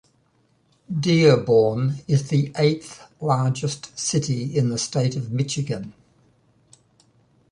Dearborn is the eighth largest city in the State of Michigan.